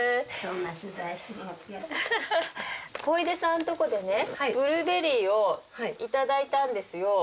小出さんのとこでねブルーベリーをいただいたんですよ。